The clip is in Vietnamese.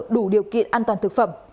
đủ điều kiện an toàn thực phẩm